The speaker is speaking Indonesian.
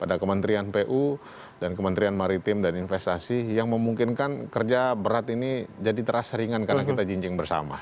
ada kementerian pu dan kementerian maritim dan investasi yang memungkinkan kerja berat ini jadi terasa ringan karena kita jinjing bersama